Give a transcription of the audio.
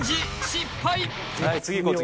失敗